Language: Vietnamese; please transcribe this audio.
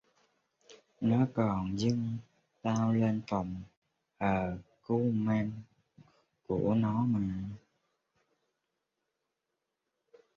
Nó còn dân tao lên phòng thờ Kuman của nó mà